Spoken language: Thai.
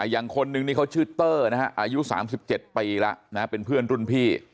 อย่างคนหนึ่งนี้เขาชื่อเต้ออายุ๓๗ปีแล้วเป็นเพื่อนรุ่นพี่